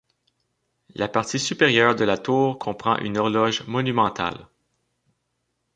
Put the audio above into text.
La partie supérieure de la tour comprend une horloge monumentale.